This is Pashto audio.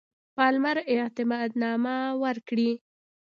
پالمر اعتماد نامه ورکړي.